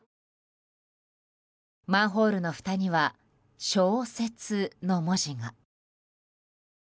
マンホールのふたには「消雪」の文字が。